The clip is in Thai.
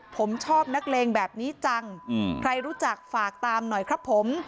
ผมชอบนักเลงแบบนี้จังใครรู้จักฝากตามหน่อยครับผม